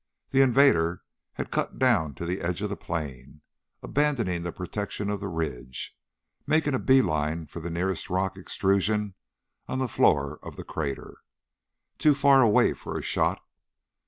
The invader had cut down to the edge of the plain, abandoning the protection of the ridge, making a beeline for the nearest rock extrusion on the floor of the crater. Too far away for a shot.